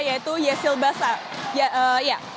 yaitu yesil bassa